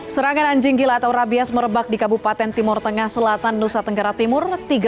serangan anjing gila atau rabies merebak di kabupaten timur tengah selatan nusa tenggara timur